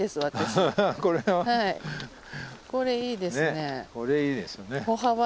ねこれいいですよね。